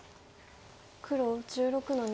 黒１６の二。